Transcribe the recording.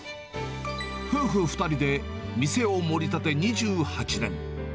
夫婦２人で店をもり立て２８年。